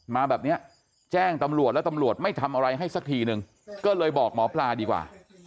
มาแบบนี้แจ้งตำรวจแล้วตำรวจไม่ทำอะไรให้สักทีนึงก็เลยบอกหมอปลาดีกว่า